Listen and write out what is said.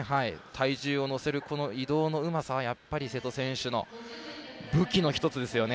体重をのせる移動のうまさは瀬戸選手の武器の一つですよね。